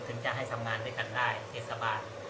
จะให้ทำงานด้วยกันได้เทศบาล